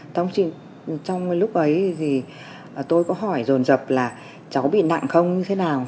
trong lúc ấy thì tôi có hỏi rồn rập là cháu bị nặng không như thế nào